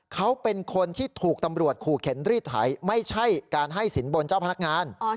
เขาเป็นคนที่ถูกตำรวจขู่เข็นรีดไถไม่ใช่การให้สินบนเจ้าพนักงาน